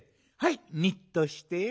はいニッとして。